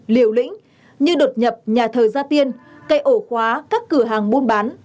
liều lĩnh như đột nhập nhà thờ gia tiên cây ổ khóa các cửa hàng buôn bán